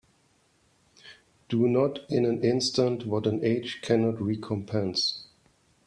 Do not in an instant what an age cannot recompense.